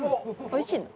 おいしいの？